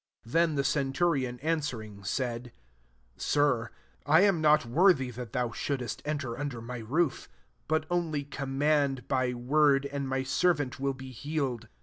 '*% Then the centurion answer ing said, ^^ Sir, I am not wortlif that thou shouldest enter undev my rooi : but only <k>mmand by word, and vny servant will bit healed.